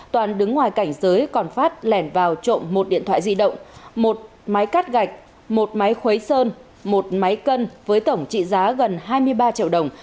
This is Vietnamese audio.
toàn đứng ngoài cảnh giới còn phát lẻn vào trộm một điện thoại di động một máy cắt gạch một máy khuấy sơn một máy cân với tổng trị giá gần hai mươi ba triệu đồng